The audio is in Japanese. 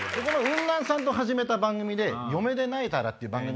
ウンナンさんと始めた番組で『ヨメでナエたら』っていう番組。